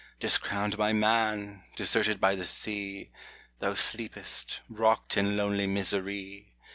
Discrowned by man, deserted by the sea, Thou sleepest, rocked in lonely misery